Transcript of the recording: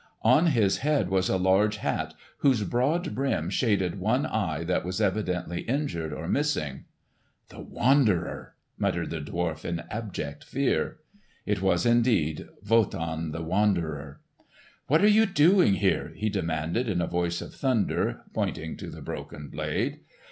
On his head was a large hat whose broad brim shaded one eye that was evidently injured or missing. "The Wanderer!" muttered the dwarf in abject fear. It was indeed Wotan the Wanderer. "What are you doing here?" he demanded in a voice of thunder, pointing to the broken blade.